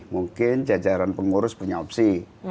mungkin jajaran pengurus punya opsi